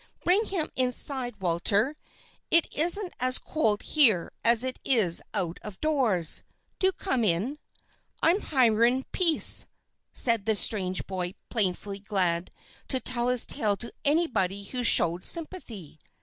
Bring him inside, Walter. It isn't as cold here as it is out of doors. Do come in." "I'm Hiram Pease," said the strange boy, plainly glad to tell his tale to anybody who showed sympathy.